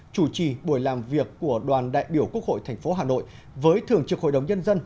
chủ trì buổi làm việc của đoàn đại biểu quốc hội tp hà nội với thường trực hội đồng nhân dân